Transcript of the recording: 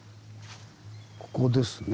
ここですね。